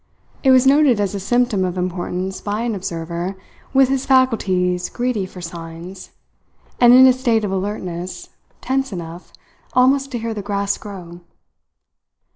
It was noted as a symptom of importance by an observer with his faculties greedy for signs, and in a state of alertness tense enough almost to hear the grass grow.